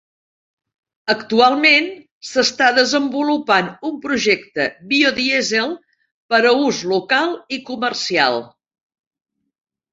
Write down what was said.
Actualment, s'està desenvolupant un projecte BioDiesel per a ús local i comercial.